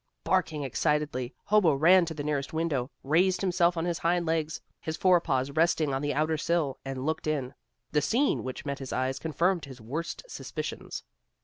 Barking excitedly, Hobo ran to the nearest window, raised himself on his hind legs, his forepaws resting on the outer sill, and looked in. The scene which met his eyes confirmed his worst suspicions.